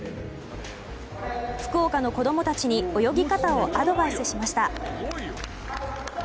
福岡の子供たちに泳ぎ方をアドバイスしました。